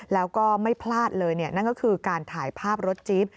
แล้วก็ไม่พลาดเลยนั่นก็คือการถ่ายภาพรถจี๊บ